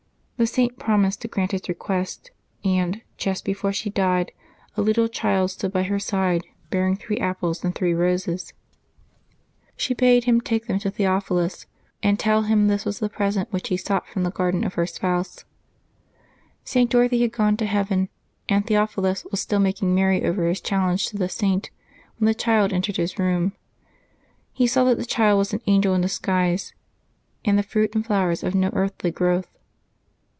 The Saint promised to grant his request, and, just before she died, a little child stood by her side bearing three apples and three roses. 66 LIVES OF THE SAINTS [Febeuaby 7 She bade him take tliem to Theophilue and tell him this was the present which he sought from the garden of her Spouse. St. Dorothy had gone to heaven, and Theophilus was still making merry over his cliallenge to the Saint when the child entered his room. He saw that the child was an angel in disguise, and the fruit and flowers of no earthly growth.